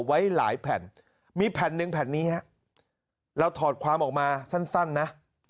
ไว้หลายแผ่นมีแผ่นหนึ่งแผ่นนี้ฮะเราถอดความออกมาสั้นนะ